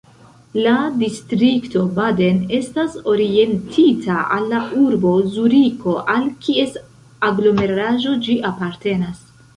La distrikto Baden estas orientita al la urbo Zuriko al kies aglomeraĵo ĝi apartenas.